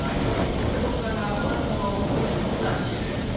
そして、こちらがオランダのナギーエです。